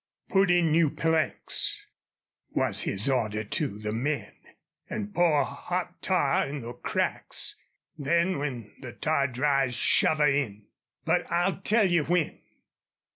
"Put in new planks," was his order to the men. "An' pour hot tar in the cracks. Then when the tar dries shove her in ... but I'll tell you when."